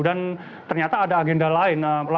dan ternyata ada agenda lain